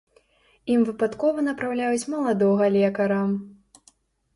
Ім выпадкова напраўляюць маладога лекара.